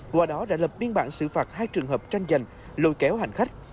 qua đó đã lập biên bản xử phạt hai trường hợp tranh giành lôi kéo hành khách